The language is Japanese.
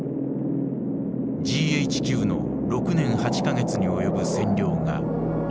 ＧＨＱの６年８か月に及ぶ占領が終わった。